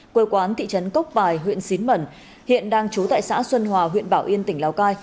quê quán thị trấn cốc bài huyện xín mẩn hiện đang trú tại xã xuân hòa huyện bảo yên tỉnh lào cai